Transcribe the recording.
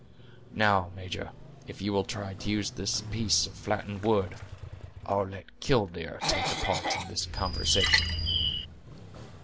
Now, major, if you will try to use this piece of flattened wood, I'll let 'killdeer' take a part in the conversation."